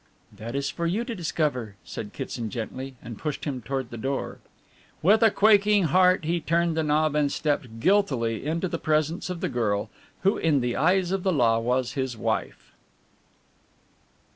"That is for you to discover," said Kitson gently, and pushed him toward the door. With a quaking heart he turned the knob and stepped guiltily into the presence of the girl who in the eyes of the law was his wife.